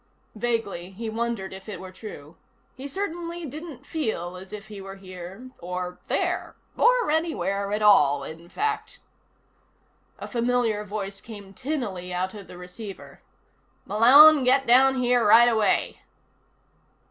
Vaguely, he wondered if it were true. He certainly didn't feel as if he were here. Or there. Or anywhere at all, in fact. A familiar voice came tinnily out of the receiver. "Malone, get down here right away!"